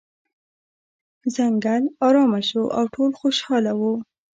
ځنګل ارامه شو او ټول خوشحاله وو.